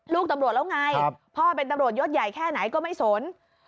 ลูกตำรวจแล้วไงพ่อเป็นตำรวจยศใหญ่แค่ไหนก็ไม่สน